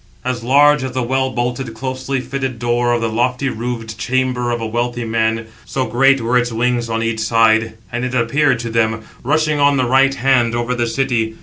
788 As large as the well bolted, closely fitted door of the lofty roofed chamber of a wealthy man, so great were its wings on each side; and it appeared to them, rushing on the right hand over the city.